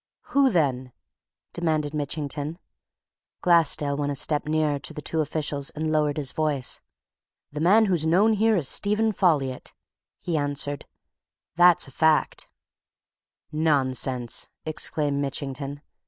"Who, then?" demanded Mitchington. Glassdale went a step nearer to the two officials and lowered his voice. "The man who's known here as Stephen Folliot," he answered. "That's a fact!" "Nonsense!" exclaimed Mitchington.